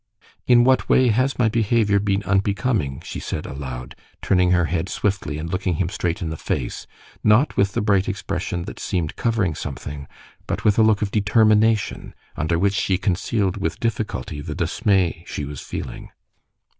"In what way has my behavior been unbecoming?" she said aloud, turning her head swiftly and looking him straight in the face, not with the bright expression that seemed covering something, but with a look of determination, under which she concealed with difficulty the dismay she was feeling.